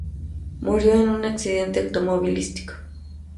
Murió en un accidente automovilístico.